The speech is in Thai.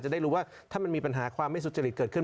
ได้รู้ว่าถ้ามันมีปัญหาความไม่สุจริตเกิดขึ้น